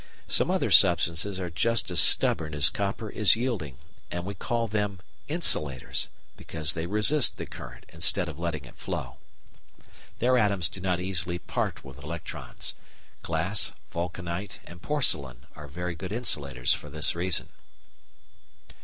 Some other substances are just as stubborn as copper is yielding, and we call them "insulators," because they resist the current instead of letting it flow. Their atoms do not easily part with electrons. Glass, vulcanite, and porcelain are very good insulators for this reason.